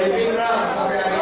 insya allah amin